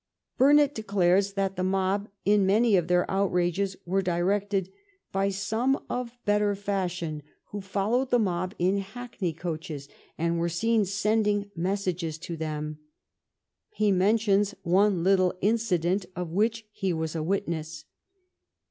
Burnet de clares that the mob, in many of their outrages, were directed " by some of better fashion ... who followed the mob in hackney coaches, and were seen sending messages to them." He mentions one little incident of which he was a witness.